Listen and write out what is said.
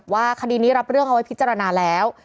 คดีนี้รับเรื่องเอาไว้พิจารณาแล้ว